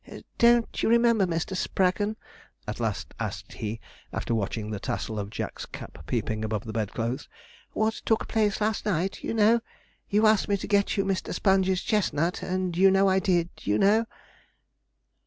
'Don't you remember, Mr. Spraggon,' at last asked he, after watching the tassel of Jack's cap peeping above the bedclothes, 'what took place last night, you know? You asked me to get you Mr. Sponge's chestnut, and you know I did, you know.'